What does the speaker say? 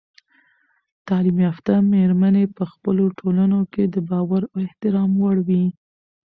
تعلیم یافته میرمنې په خپلو ټولنو کې د باور او احترام وړ وي.